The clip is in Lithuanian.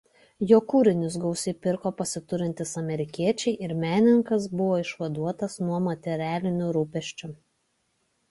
Jo kūrinius gausiai pirko pasiturintys amerikiečiai ir menininkas buvo išvaduotas nuo materialinių rūpesčių.